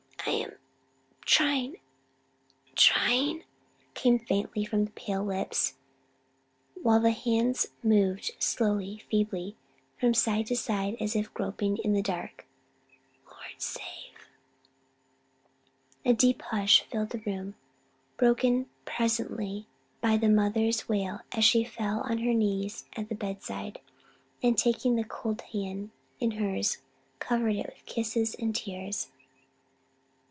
'" "I am trying trying," came faintly from the pale lips, while the hands moved slowly, feebly, from side to side as if groping in the dark, "Lord save " A deep hush filled the room, broken presently by the mother's wail as she fell on her knees at the bedside, and taking the cold hand in hers covered it with kisses and tears.